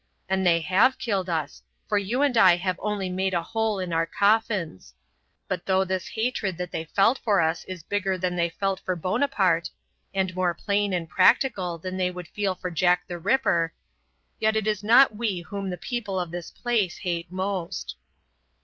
And they have killed us, for you and I have only made a hole in our coffins. But though this hatred that they felt for us is bigger than they felt for Bonaparte, and more plain and practical than they would feel for Jack the Ripper, yet it is not we whom the people of this place hate most."